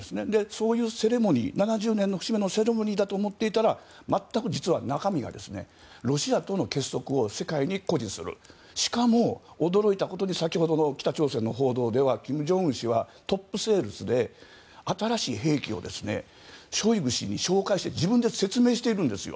そういうセレモニー、７０年の節目のセレモニーだと思っていたら全く中身がロシアとの結束を世界に誇示するしかも、驚いたことに先ほどの北朝鮮の報道では金正恩氏はトップセールスで新しい兵器をショイグ氏に紹介して自分で説明しているんですよ。